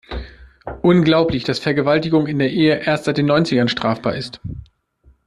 Unglaublich, dass Vergewaltigung in der Ehe erst seit den Neunzigern strafbar ist.